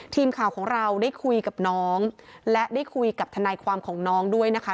ทีมข่าวของเราได้คุยกับน้องและได้คุยกับทนายความของน้องด้วยนะคะ